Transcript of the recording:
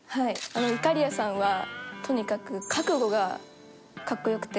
いかりやさんはとにかく覚悟が格好良くて。